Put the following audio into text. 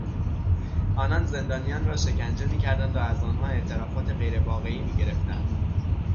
آنان زندانیان را شکنجه میکردند و از آنها اعترافات غیرواقعی میگرفتند.